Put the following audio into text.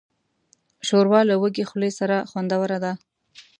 ښوروا له وږې خولې سره خوندوره ده.